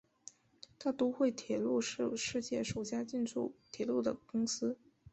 大都会铁路是世界首家修建地铁的公司。